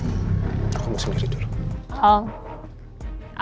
aku mau sendiri dulu